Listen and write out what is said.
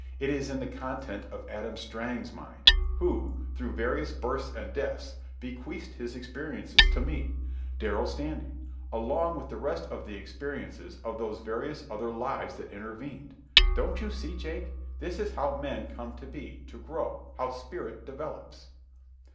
It is in the content of Adam Strang's mind, who, through various births and deaths, bequeathed his experiences to me, Darrell Standing, along with the rest of the experiences of those various other lives that intervened. Don't you see, Jake? That is how men come to be, to grow, how spirit develops."